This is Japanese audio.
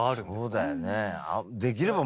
そうだよね。